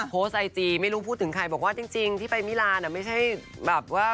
โพสต์ไอจีไม่รู้พูดถึงใครบอกว่าจริงที่ไปมิลานไม่ใช่แบบว่า